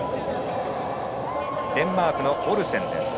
デンマークのオルセン。